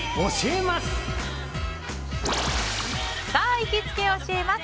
行きつけ教えます！